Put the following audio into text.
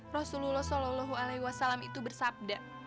rasulullah s a w itu bersabda